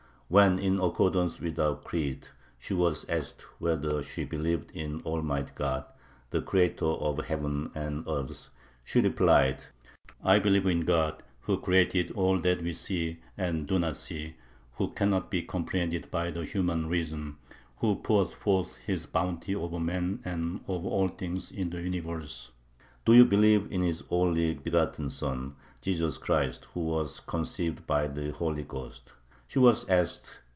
When, in accordance with our creed, she was asked whether she believed in Almighty God, the Creator of heaven and earth, she replied: "I believe in God, who created all that we see and do not see, who cannot be comprehended by the human reason, who poureth forth His bounty over man and over all things in the universe." "Do you believe in His only begotten Son, Jesus Christ, who was conceived by the Holy Ghost?" she was asked.